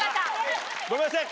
ごめんなさい